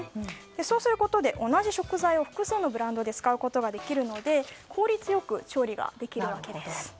そうすることで同じ食材を複数のブランドで使うことができるので効率良く調理ができるわけです。